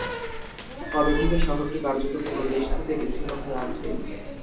কবে থেকে শহরটি কার্যত পুরো দেশ থেকে বিচ্ছিন্ন হয়ে আছে?